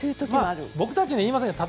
僕たちには言いませんよ。